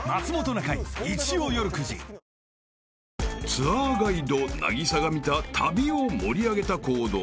［ツアーガイド凪咲が見た旅を盛り上げた行動］